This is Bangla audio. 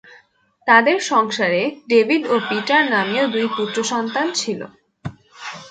তাদের সংসারে ডেভিড ও পিটার নামীয় দুই পুত্র সন্তান ছিল।